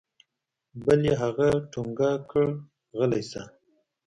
بل يې هغه ټونګه کړ غلى سه.